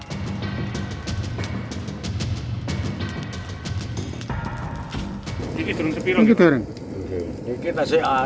tapi saya terima kasih karena pendidiknya lyuk dengan penderm getting benefit dari kepala